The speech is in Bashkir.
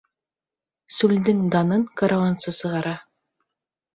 Сүлдең данын каруансы сығара.